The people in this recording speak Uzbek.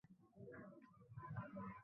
Eslab yur yodingga tushgan mahali —